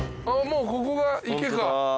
もうここが池か。